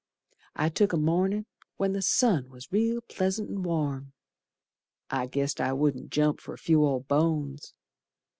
I took a mornin' when the sun was real pleasant and warm; I guessed I wouldn't jump for a few old bones.